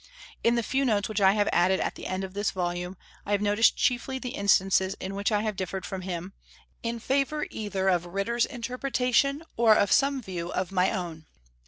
In the few notes which I have added at the end of this volume, I have noticed chiefly the instances in which I have differed from him, in favour either of Hitter's interpretation, or of some view of my own.